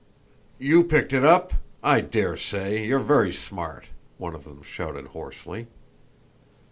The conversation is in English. "You picked it up?... I dare say! You're very smart!" one of them shouted hoarsely.